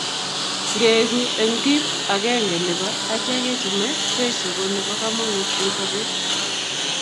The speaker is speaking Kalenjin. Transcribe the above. ngeegu eng kip akenge nebo achek chekichame cheso ko nebo kamangut eng sabet